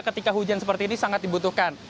ketika hujan seperti ini sangat dibutuhkan